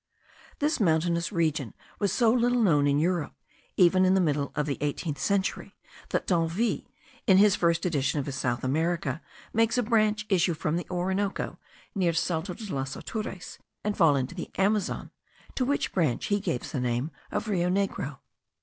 This mountainous region was so little known in Europe, even in the middle of the eighteenth century, that D'Anville, in the first edition of his South America, makes a branch issue from the Orinoco, near Salto de los Atures, and fall into the Amazon, to which branch he gives the name of Rio Negro.